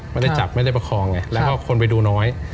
ไม่ได้จับไม่ได้ประคองไงแล้วก็คนไปดูน้อย